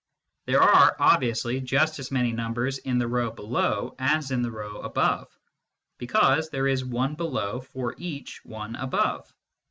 There are obviously just as many numbers in the row below as in the row above, because there is one below for each one above.